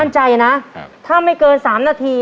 ใจนะถ้าไม่เกิน๓นาที